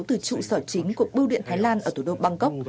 từ trụ sở chính của bưu điện thái lan ở thủ đô bangkok